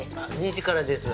２時からです。